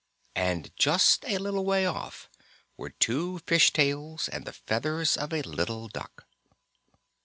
And just a little way off were two fish tails and the feathers of a little duck.